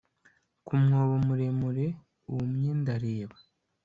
Ku mwobo muremure wumye ndareba